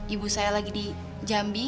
ibu saya lagi di jambi